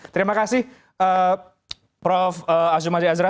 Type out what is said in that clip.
terima kasih prof azra